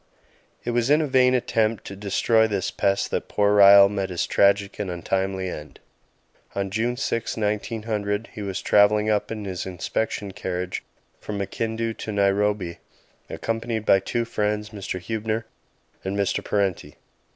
It was in a vain attempt to destroy this pest that poor Ryall met his tragic and untimely end. On June 6, 1900, he was travelling up in his inspection carriage from Makindu to Nairobi, accompanied by two friends, Mr. Huebner and Mr. Parenti.